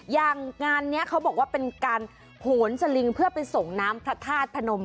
งานนี้เขาบอกว่าเป็นการโหนสลิงเพื่อไปส่งน้ำพระธาตุพนม